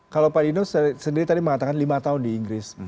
kalau pak dino sendiri tadi mengatakan lima tahun di inggris